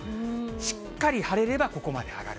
しっかり晴れればここまで上がる。